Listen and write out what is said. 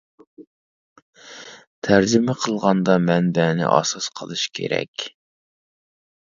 تەرجىمە قىلغاندا مەنبەنى ئاساس قىلىش كېرەك.